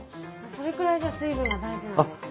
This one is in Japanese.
それくらい水分が大事なんですね